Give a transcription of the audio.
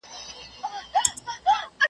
ما په تا کي حق لیدلی آیینې چي هېر مي نه کې .